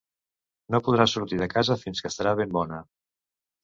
No podrà sortir de casa fins que estarà ben bona.